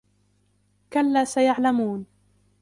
كَلَّا سَيَعْلَمُونَ